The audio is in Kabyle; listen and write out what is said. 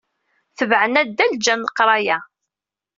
Tebɛen addal, ǧǧan leqraya.